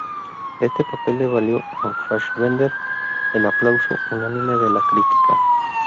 Este papel le valió a Fassbender el aplauso unánime de la crítica.